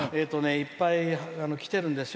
いっぱいきてるんですよ。